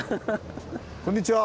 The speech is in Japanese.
こんにちは！